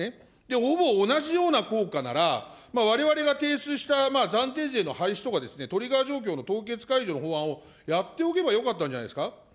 ほぼ同じような効果なら、われわれが提出した暫定税の廃止とか、トリガー状況の凍結解除の法案をやっておけばよかったんじゃないですか。